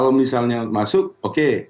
kalau misalnya masuk oke